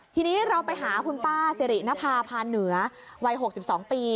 ทีนี้เราไปหาคุณป้าสิรินภาพาเหนือวัย๖๒ปี